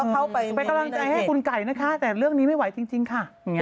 อ๋อเหรอไปกำลังใจให้คุณไก่นะคะแต่เรื่องนี้ไม่ไหวจริงค่ะอย่างนี้